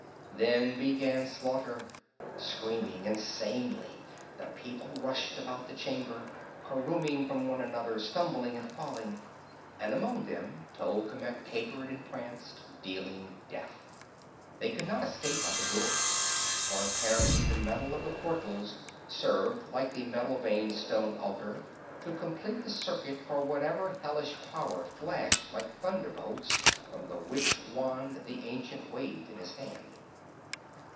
Then began slaughter. Screaming insanely the people rushed about the chamber, caroming from one another, stumbling and falling. And among them Tolkemec capered and pranced, dealing death. They could not escape by the doors; for apparently the metal of the portals served like the metal veined stone altar to complete the circuit for whatever hellish power flashed like thunderbolts from the witch wand the ancient waved in his hand.